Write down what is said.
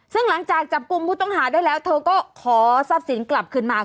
ซึ่งหลังจากจับกลุ่มผู้ต้องหาได้แล้วเธอก็ขอทรัพย์สินกลับคืนมา